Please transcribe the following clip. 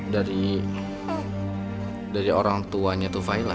dari dari orang tuanya tufailah